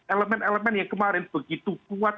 elemen elemen yang kemarin begitu kuat